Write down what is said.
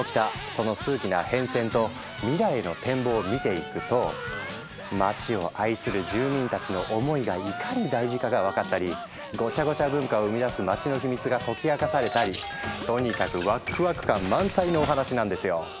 その数奇な変遷と未来への展望を見ていくと街を愛する住民たちの思いがいかに大事かが分かったりごちゃごちゃ文化を生み出す街のヒミツが解き明かされたりとにかくワクワク感満載のお話なんですよ。